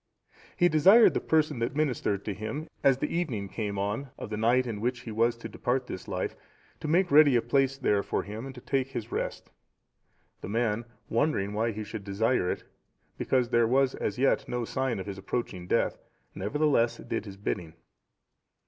He desired the person that ministered to him, as the evening came on of the night in which he was to depart this life, to make ready a place there for him to take his rest. The man, wondering why he should desire it, because there was as yet no sign of his approaching death, nevertheless did his bidding.